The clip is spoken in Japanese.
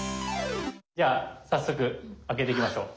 じゃあ早速開けていきましょう。